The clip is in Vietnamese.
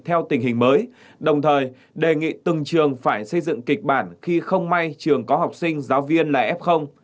theo tình hình mới đồng thời đề nghị từng trường phải xây dựng kịch bản khi không may trường có học sinh giáo viên là f